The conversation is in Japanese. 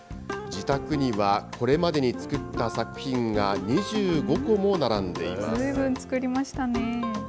自宅には、これまでに作った作品が２５個も並んでいます。